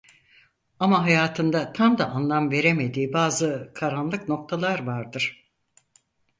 Ama hayatında tam da anlam veremediği bazı karanlık noktalar vardır.